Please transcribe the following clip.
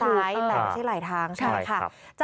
แต่ไม่ใช่หลายทางใช่ค่ะ